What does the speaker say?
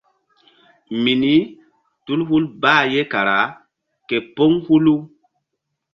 Mini tul hul bah ye kara képóŋ hulu.